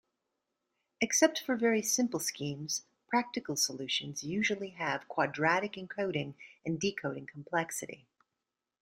Except for very simple schemes, practical solutions usually have quadratic encoding and decoding complexity.